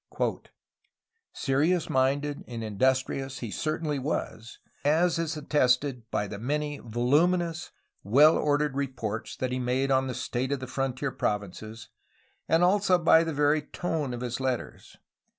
*' Serious minded and industrious he certainly was, as is attested by the many voluminous, well ordered reports that he made on the state of the frontier provinces, and also by the very tone of his letters.